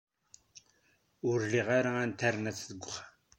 Ur liɣ ara Internet deg uxxam.